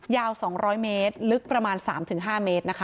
ยาว๒๐๐เมตรลึกประมาณ๓๕เมตรนะคะ